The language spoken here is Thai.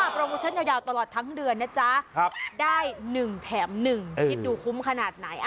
โปรโมชั่นยาวตลอดทั้งเดือนนะจ๊ะได้๑แถม๑คิดดูคุ้มขนาดไหน